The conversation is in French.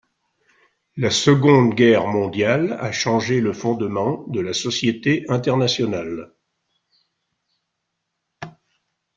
La Seconde Guerre mondiale a changé le fondement de la société internationale.